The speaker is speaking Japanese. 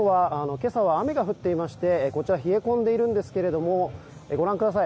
今朝は雨が降っていましてこちら冷え込んでいるんですけれどもご覧ください。